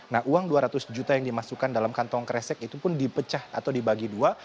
nah uang dua ratus juta yang dimasukkan dalam kantong kresek itu pun dipecah atau dibagi dua